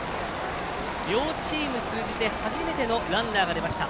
両チーム通じて初めてのランナーが出ました。